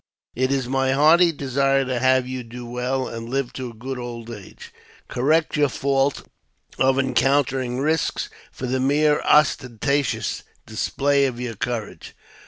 It is my hearty desire to have you do well, and hve to a good old age; correct your fault of encountering risks for the mere ostentatious display of your courage.